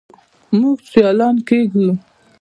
موږ سیالان کیږو.